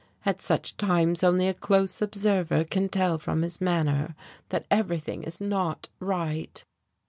"At such times only a close observer can tell from his manner that everything is not right.